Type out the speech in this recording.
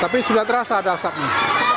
tapi sudah terasa ada asap nih